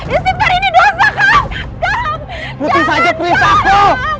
istifar prinsi saya hasim bezka